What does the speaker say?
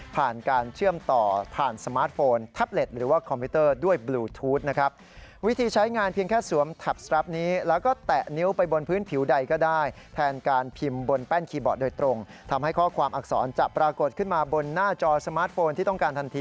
ผ่านการเชื่อมต่อผ่านสมาร์ทโฟน